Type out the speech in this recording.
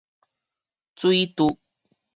水揬